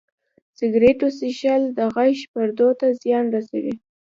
سګرټو څښل د غږ پردو ته زیان رسوي.